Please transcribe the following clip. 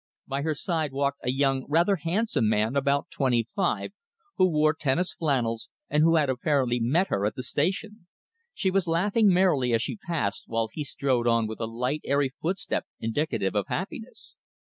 By her side walked a young rather handsome man about twenty five, who wore tennis flannels, and who had apparently met her at the station. She was laughing merrily as she passed, while he strode on with a light, airy footstep indicative of happiness.